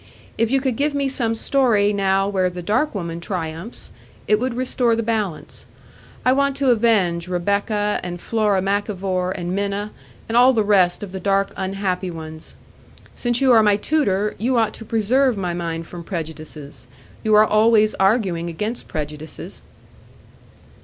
If you could give me some story, now, where the dark woman triumphs, it would restore the balance. I want to avenge Rebecca and Flora MacIvor and Minna, and all the rest of the dark unhappy ones. Since you are my tutor, you ought to preserve my mind from prejudices; you are always arguing against prejudices."